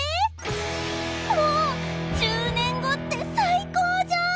もう１０年後って最高じゃん！